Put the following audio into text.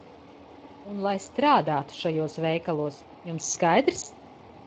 Un lai strādātu šajos veikalos, jums skaidrs?